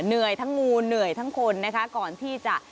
เหนื่อยทั้งงูเหนื่อยทั้งคนนะคะก่อนที่จะ